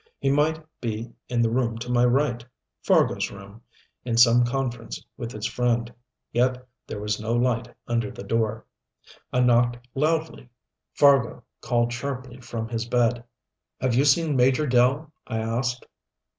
He might be in the room to my right Fargo's room in some conference with his friend. Yet there was no light under the door. I knocked loudly. Fargo called sharply from his bed. "Have you seen Major Dell?" I asked.